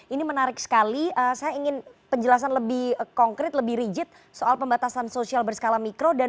ini menarik sekali saya ingin penjelasan lebih konkret lebih rigid soal pembatasan sosial berskala mikro